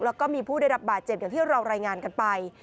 แล้วก็มีผู้ได้รับบาดเจ็บอย่างที่เรารายงานกันไป